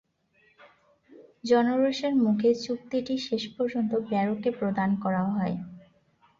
জনরোষের মুখে চুক্তিটি শেষ পর্যন্ত ব্যারকে প্রদান করা হয়।